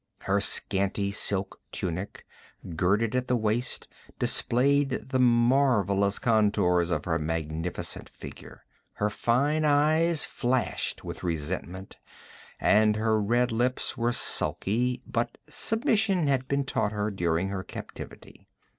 Her scanty silk tunic, girded at the waist, displayed the marvelous contours of her magnificent figure. Her fine eyes flashed with resentment and her red lips were sulky, but submission had been taught her during her captivity.